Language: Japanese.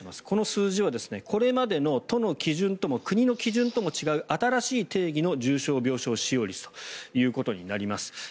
この数字はこれまでの都の基準とも国の基準とも違う新しい定義の重症病床使用率ということになります。